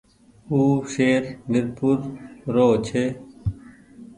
او شهر ميرپور رو ڇي۔